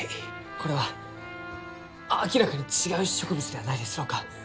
これは明らかに違う植物ではないですろうか？